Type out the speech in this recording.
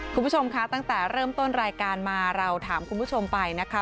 คุณผู้ชมคะตั้งแต่เริ่มต้นรายการมาเราถามคุณผู้ชมไปนะคะ